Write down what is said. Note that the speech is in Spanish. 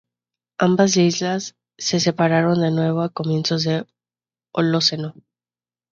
Ambas islas se separaron de nuevo a comienzos del Holoceno.